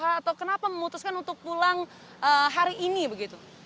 atau kenapa memutuskan untuk pulang hari ini begitu